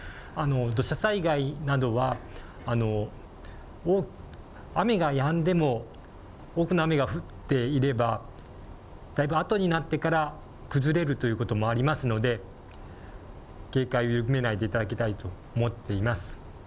土砂災害などは、雨がやんでも、多くの雨が降っていれば、だいぶあとになってから崩れるということもありますので、警戒を緩めないでいただきたいと思っています。